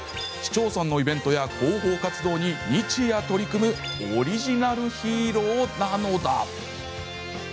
市町村のイベントや広報活動に日夜取り組むオリジナルヒーローなのだ！